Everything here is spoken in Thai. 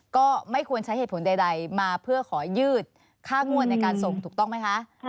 ก็ไม่ควรใช้เหตุผลใดมาเพื่อขอยืดค่างวดในการส่งถูกต้องไหมคะ